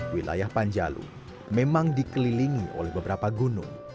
wilayah panjalu memang dikelilingi oleh beberapa gunung